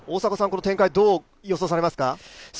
この展開、どう予想されますか？